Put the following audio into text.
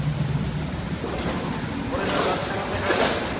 これが学者の世界だ。